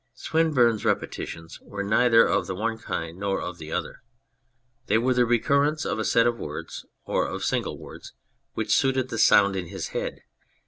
Swinburne's repetitions were neither of the one kind nor of the other ; they were the recurrence of a set of words or of single words which suited the sound in his head.